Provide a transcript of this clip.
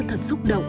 thật xúc động